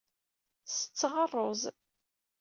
Setteɣ ṛṛuz.